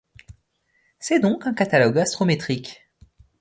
C'est donc un catalogue astrométrique.